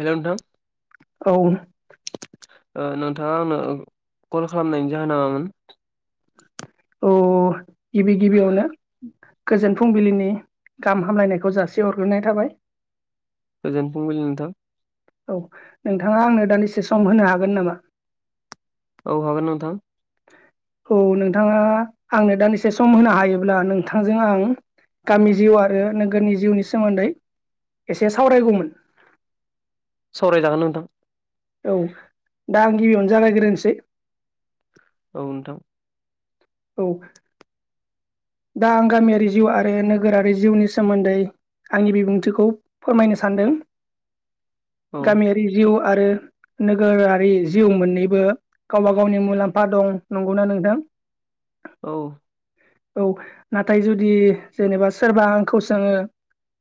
हेल' नोंथां औ ओ नोंथाङा आंनो कल खालामनायनि जाहोना मामोन? औ गिबि गिबियावनो गोजोन फुंबिलिनि गाहाम हामलायनायखौ जासिहरग्रोनाय थाबाय। गोजान फुंबिलि नोंथां। औ नोंथाङा आंनो दान्दिसे सम होनो हागोन नामा? औ हागोन नोंथां। औ नोंथाङा आंनो दानसे सम होनो हायोब्ला नोंथांजों आं। गामि जिउ आरो नोगोरनि जिउनि सोमोन्दै एसे सावरायगौमोन सावराय जागोन नोंथां औ दा आं गिबियावनो जागायग्रोसै। औ नोंथां। औ। दा आं गामियारि जिउ आरो नोगोरारि जिउनि सोमोन्दै। आंनि बिबुंथिखौ फोरमायनो सानदों औ गामियारि जिउ आरो नोगोरारि जिउ मोननैबो गावबा गावनि मुलाम्फा दं नंगौना नोंथां। [inaudible] औ औ नाथाय जुदि जेनेबा सोरबा आंखौ सोङो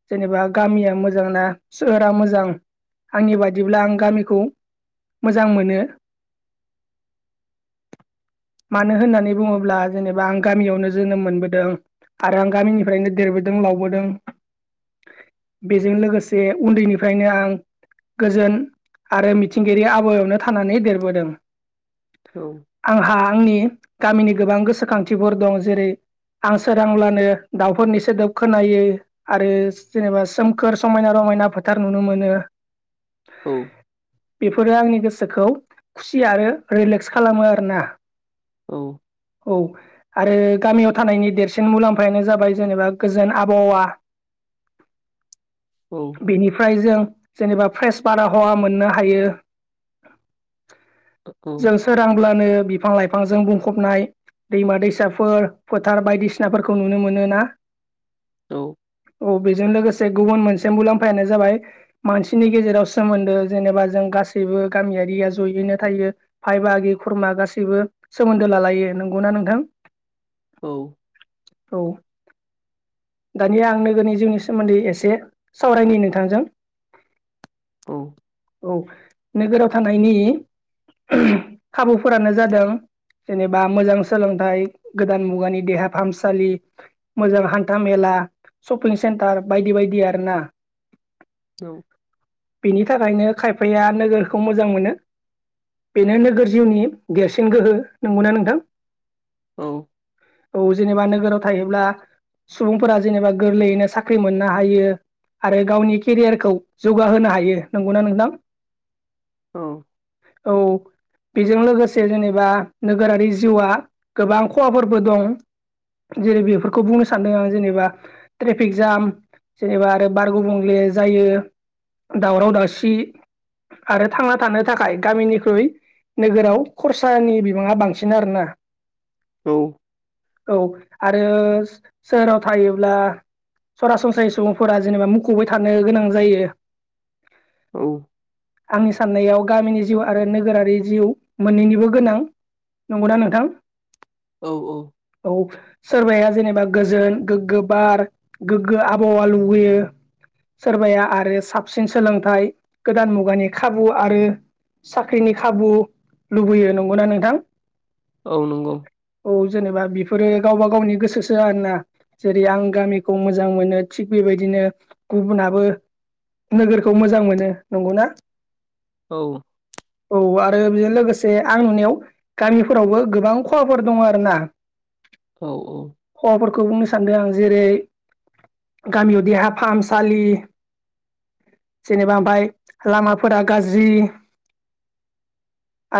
जेनेबा गामिया मोजांना सोहोरा मोजां आंनि बादिब्ला आं गामिखौ मोजां मोनो मानो होननानै बुङोब्ला जेनेबा आं गामियावनो जोनोम मोनबोदों आरो आं गामिनिफ्रायनो देरबोदों लावबोदों बेजों लोगोसे उन्दैनिफ्रायनो आं गोजोन आरो मिथिंगायारि आबायावनो थानानै देरबोदों औ आंहा आंनि गामिनि गोबां गोसोखांथिफोर दं जेरै आं सोरांब्लानो दाउफोरनि सोदोब खोनायो आरो जेनेबा सोमखोर समायना रमायना ना फोथार नुनो मोनो औ बेफोरो आंनि गोसोखौ खुसि आरो रिलेक्स खालामो आरोना औ औ आरो गामियाव थानायनि देरसिन मुलाम्फायानो जाबाय जेनेबा गोजोन आबहावा औ बेनिफ्राय जों जेनेबा फ्रेस बारहावा मोननो हायो जों सोरांब्लानो बिफां लाइफांजों बुंफबनाय दैमा दैसाफोर फोथार बायदिसिनाफोरखौ नुनो मोनो ना औ औ बेजों लोगोसे गुबुन मोनसे मुलाम्फायानो जाबाय मानसिनि गेजेराव सोमोन्दो जेनेबा जों गासैबो गामियारिया जयैनो थायो भाय बागि खुरमा गासैबो सोमोन्दो लालायो नंगौना नोंथां? औ औ दानिया आं नोगोरनि जिउनि सोमोन्दै एसे सावरायनि नोंथांजों [unintelligible] औ औ नोगोराव थानायनि खाबुफोरानो जादों जेनेबा मोजां सोलोंथाइ गोदान मुगानि देहा फाहामसालि मोजां हान्था मेला सपिं सेन्टार बायदि बायदिया औ बेनि थाखायनो खायफाया नोगोरखौ मोजां मोनो बेनो नोगोर जिउनि देरसिन गोहो नंगौना नोंथां औ औ जेनेबा नोगोराव थायोब्ला सुबुंफोरा जेनेबा गोरलैयैनो साख्रि मोननो हायो आरो गावनि केरियारखौ जौगाहोनो हायो नंगौना नोंथां औ बेजों लोगोसे जेनेबा नोगोरारि जिउआ गोबां खहाफोरबो दं जेरै बेफोरखौ बुंनो सानदों आं जेनेबा ट्रेफिक जाम जेनेबा आरो बारगुबुंले जायो दावराव दावसि आरो थांना थानो थाखाय गामिनिख्रुइ नोगोराव खरसानि बिबाङा बांसिन आरोना औ औ आरो सोहोराव थायोब्ला सरासनस्रायै सुबुंफोरा जेनेबा मुखुबबै थानो गोनां जायो औ आंनि साननायाव गामिनि जिउ आरो नोगोरारि जिउ मोननैनिबो गोनां नंगौना नोंथां औ औ सोरबाया जेनेबा गोजोन गोग्गो बार गोग्गो आबहावा लुबैयो सोरबाया आरो साबसिन सोलोंथाइ गोदान मुगानि खाबु आरो साख्रिनि खाबु लुबैयो नंगौना नोंथां औ नंगौ औ जेनेबा बेफोरो गावबा गावनि गोसोसो आरोना जेरै आं गामिखौ मोजां मोनो थिग बे बेबायदिनो गुबुनाबो नोगोरखौ मोजां मोनो नंगौना औ औ आरो बेजों लोगोसे आं नुनायाव गामिफोरावबो गोबां खहाफोर दङ आरो ना औ औ खौ बुंनो सान्दों आं जेरै गामियाव देहा फाहामसालि जेनेबा ओमफाय लामाफोरा गाज्रि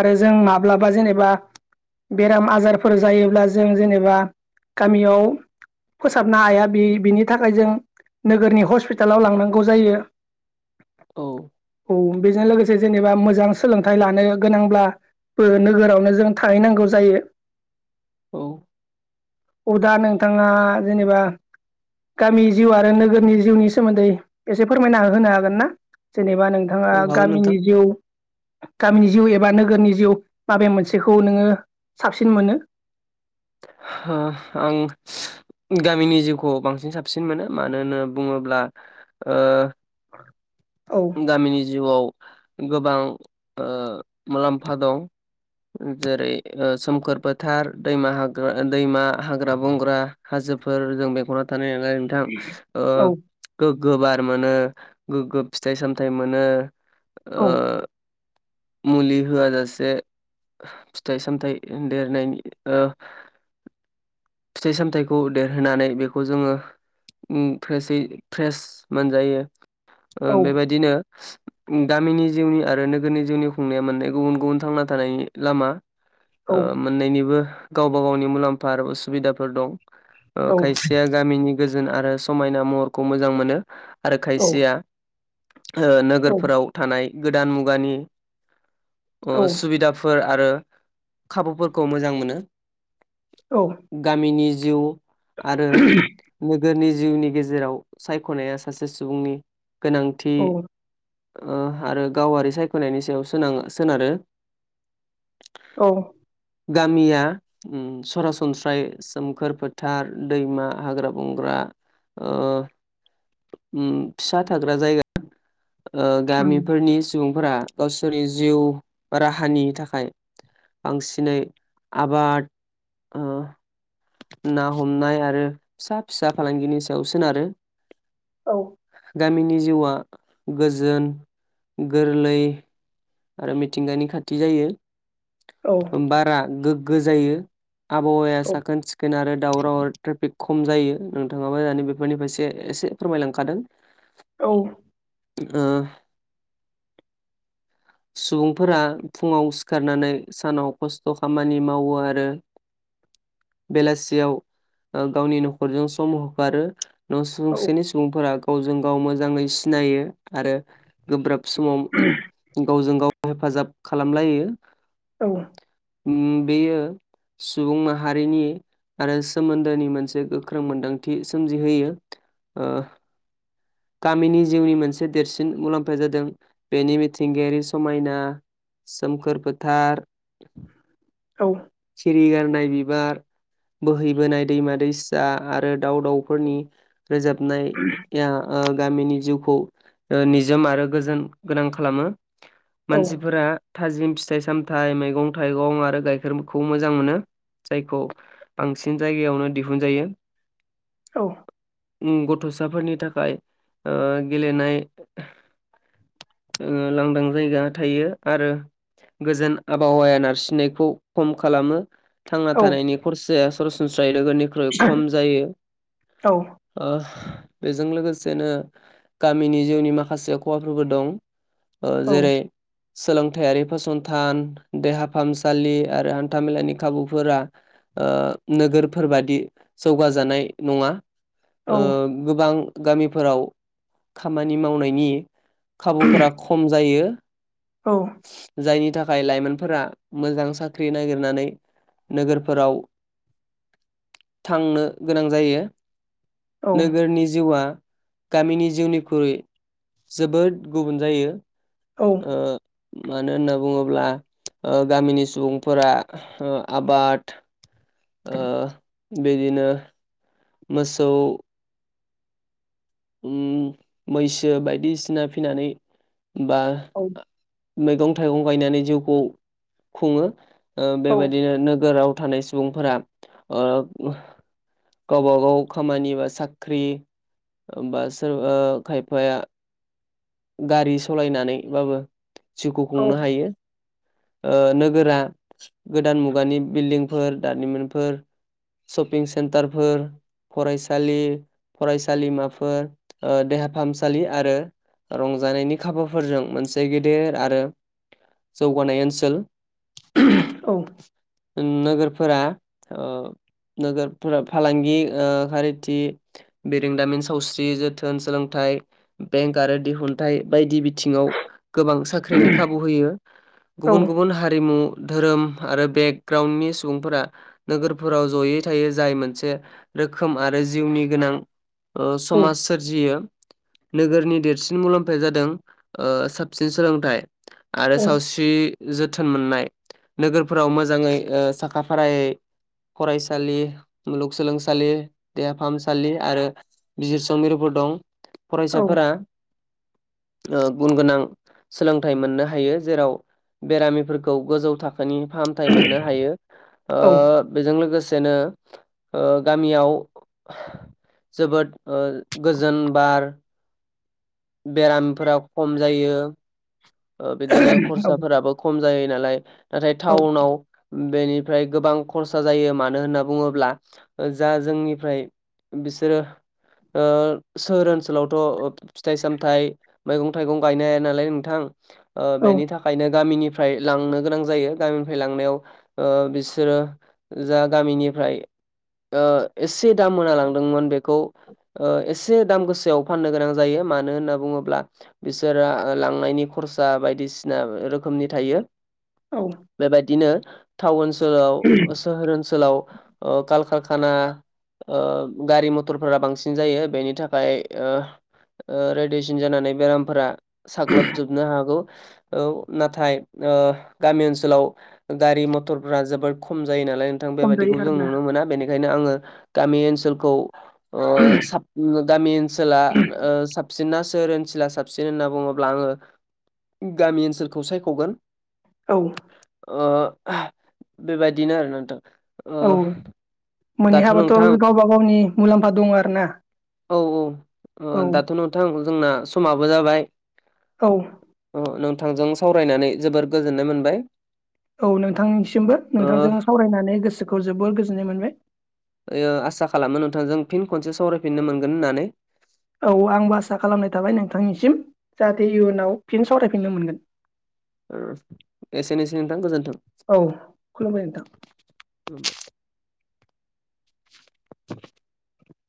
आरो जों माब्लाबा जेनेबा बेराम आजार फोर जायोब्ला जों जेनेबा गामियाव फोसाबनो हाया बे बिनि थाखाय जों नोगोरनि हस्पिटालाव लांनांगौ जायो औ औ बेजों लोगोसे जेनेबा मोजां सोलोंथाइ लानो गोनांब्ला नोगोरावनो जों थाहैनांगौ जायो अदा नोंथाङा जेनेबा गामि जिउ आरो नोगोरनि जिउनि सोमोन्दै एसे फोरमायना होनो हागोन ना जेनेबा नोंथाङा औ हागोन नोंथां गामिनि जिउ गामिनि जिउ एबा नोगोरनि जिउ माबे मोनसेखौ नोङो साबसिन मोनो ओ आं गामिनि जिउखौ बांसिन साबसिन मोनो मानो होनना बुङोब्ला औ गामिनि जिउआव गोबां मुलाम्फा दं जेरै सोमखोर फोथार दैमा दैमा हाग्रा बंग्रा हाजो फोर जों बेख'ना थानायानो नोंथां औ गोगो बार मोनो गोगो फिथाइ सामथायाइ मोनो औ ओ मुलि होयासे फिथाइ सामथाइ देरनायनि फिथाइ सामथायाइखौ देरहोनानै बेखौ जोंङो फ्रेसै फ्रेस मोनजायो औ बेबायदिनो गामिनि जिउनि आरो नोगोरनि जिउनि खुंनाया मोननाय गुबुन गुबुन थांना थानायनि लामा औ मोननायनिबो गावबा गावनि मुलाम्फा उसुबिदाफोर दं खायसेया गामिनि गोजोन आरो समायना महरखौ मोजां मोनो आरो औ खायसेया औ नोगोरफोराव थानाय गोदान मुगानि सुबिदाफोर आरो खाबुफोरखौ मोजां मोनो गामिनि जिउ आरो नोगोरनि जिउनि गेजेराव सायख'नाया सासे सुबुंनि गोनांथि औ आरो गावारि सायख'नायनि सायाव सोनो सोनारो औ गामिया सरासनस्राय सोमखोर फोथार दैमा हाग्रा बंग्रा फिसा थाग्रा जायगा उम गामिफोरनि सुबुंफोरा गावसोरनि जिउ राहानि थाखाय बांसिनै आबाद ना हमनाय आरो फिसा फिसा फालांगिनि सायाव सोनारो औ गामिनि जिउआ गोजोन गोरलै आरो मिथिंगानि खाथि औ जायो बारा गोगो जायो। आबहावाया साखोन सिखोन आरो दावराव ट्रेफिक खम जायो नोंथांङाबो दानि बेफोरनिफ्रायसे एसे फोरमायलांखादों। औ। ओ सुबुंफोरा फुंङाव सिखारनानै सानाव खस्थ' खामानि मावो आरो। [inaudible] बेलासियाव गावनि न'खरजों सम होखारो। न' औ दुंसेनि सुबुंफोरा गावजों गाव मोजांङै सिनायो आरो। गोब्राब समाव गावजों गाव हेफाजाब खालामलायो औ। बेयो सुबुं माहारिनि आरो सोमोन्दोनि मोनसे गोख्रों मोनदांथि सोमजिहोयो। गामिनि जिउनि मोनसे देरसिन मुलाम्फाया जादों बेनि मिथिंगायारि समायना। सोमखोर फोथार औ सिरि गारनाय बिबार बोहैबोनाय दैमा दैसा आरो दाउ दाउफोरनि रोजाबनाया। गामिनि जिउखौ निजोम आरो गोजोन गोनां खालामो। मानसिफोरा थाजिम फिथाइ सामथाइ मैगं थाइगं आरो गाइखेरखौ मोजां मोनो। जायखौ बांसिन जायगायावनो दिहुन जायो। औ। गथ'साफोरनि थाखाय गेलेनाय लांदां जायगा थायो आरो। गोजोन आबहावाया नारसिननायखौ खम खालामो। थांना औ थानायनि खरसाया सरासनस्रा। लोगोनिख्रुइ खम जायो बेजों लोगोसे। बिदिनो गामिनि जिउनि माखासे खहाफोरबो दं जेरै सोलोंथायारि फसंथान देहा फाहामसालि आरो हान्थामेलानि खाबुफोरा नोगोरफोरबादि जौगाजानाय नङा। गोबां गामिफोराव खामानि मावनायनि खाबुफोरा खम जायो। औ। जायनि थाखाय लाइमोनफोरा मोजां साख्रि नागिरनानै। नोगोरफोराव थांनो गोनां जायो। नोगोरनि जिउआ। गामिनि जिउनिख्रुइ जोबोद गुबुन जायो। मानो होनना बुङोब्ला गामिनि सुबुंफोरा आबाद। बेदिनो मोसौ मैसो बायदिसिना फिसिनानै बा। मैगं थाइगं गायनानै जिउखौ खुङो ओ बेबायदिनो नोगोराव थानाय सुबुंफोरा। गावबा गाव खामानि बा साख्रि होमबा सोर खायफाया गारि सालायनानैबाबो जिउखौ औ खुंनो हायो। नोगोरा गोदान मुगानि बिल्डिंफोर दारिमिनफोर सपिं सेन्टारफोर फरायसालि फरायसालिमाफोर देहा फाहामसालि आरो। रंजानायनि खाबुफोरजों मोनसे गेदेर आरो जौगानाय ओनसोल। औ। नोगोरफोरा ओ नोगोरफोरा फालांगि ओ खारिथि, बिरुंदामिन, सावस्रि, जोथोन, सोलोंथा आइ बेंक आरो दिहुनथाइ बायदि बि थिङाव गोबां औ साख्रिनि खाबु होयो औ गुबुन गुबुन हारिमु धोरोम आरो बेकग्राउन्डनि सुबुंफोरा नोगोरफोराव जयै थायो जाय मोनसे रोखोम आरो जिउनि गोनां ओ समाज सोरजियो नोगोरनि देरसि सिन मुलाम्फाया जादों साबसिन सोलोंथाइ आरो औ सावस्रि जोथोन मोननाय नोगोरफोराव मोजाङै ओ साखा फारायै फरायसालि मुलुगसोलोंसालि देहा फाहामसालि आरो बिजिरसं मिरुफोर दं। औ फरायसाफोरा [inaudible] ओ गुन गोनां सोलोंथाइ मोननो हायो जेराव बेरामिफोरखौ गोजौ था खोनि फाहामथाय मोननो हायो। ओ बेजों लोगोस सेनो ओ गामियाव जोबोद ओ गोजोन बार बेरामफोरा खम जायो। ओ बिदिनो खरसाफोराबो खम जायो नालाय। नाथाय औ टाउनाव बेनिफ्राय गोबां खरसा जायो मानो होनना बुङोब्ला ओ जा जोंनिफ्राय बिसोरो ओ सोहोर ओनसोलावथ' फिथाइ सामथायाइ मैगं थाइगं गायनाय नालाय नोंथां ओ औ बेनि थाखायनो गामिनि फ्राय लांनो गोनां जायो गामिनिफ्राय लांनायाव ओ बिसोरो जा गामिनिफ्राय ओ एसे दाम होनालांदोंमोन बेखौ ओ एसे दाम गोसोआव फाननो गोनां जायो। मानो होनना बुङोब्ला बिसोरा ओ लांनायनि खरसा बायदिसिना रोखोमनि थायो। औ बेबायदिनो थाउनस सोलाव सोहोर ओनसोलाव ओ कालकारखाना ओ गारि मथरफोरा बांसिन जायो बेनि थाखाय ओ ओ रेडियेसन जानानै बेरामफोरा साग्लोब नो हागौ ओ नाथाय ओ गामि ओनसोलाव गारि मथर जोबोर खम जायो नालाय नोंथां खम जायो बेबायदिखौ जों आरोना नुनो मोना बेनिखायनो आङो गामि ओनसोलखौ ओ साब ओ गामि ओनसोला ओ साबसि ना सोर ओनसोला साबसिन होनना बुङोब्ला आङो गामि ओनसोलखौ सायख'गोन। औ ओ बेबायदिनो आरोना नोंथां। ओ मोनहै दाथ' नोंथां हायाबाथ' गावब गावनि मुलाम्फा दं आरोना। औ-औ ओ दाथ' नोंथां जोंना समाबो जाबाय। औ अ नोंथांजों सावरायनानै जोबोर गोजोननाय मोनबाय। औ नोंथांनिसिमबो ओ नोंथांजों सावरायनानै गोसोखौ जोबोर गोजोननाय मोनबाय। ओयो आसा खालामो नोंथांजों फिन खनसे सावरायफिननो मोनगोन होननानै। औ आंबो आसा खालामनाय थाबाय नोंथांनिसिम जाहाथे इयुनाव फिन सावरायफिननो मोनगोन। एसेनोसे नोंथां गोजोन्थों। औ [inaudible] [inaudible]